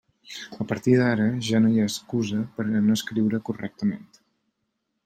A partir d'ara ja no hi ha excusa per a no escriure correctament.